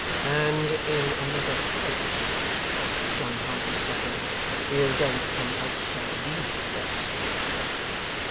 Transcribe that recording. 'And in another place,' John Harmon struck in. 'You don't come outside these windows.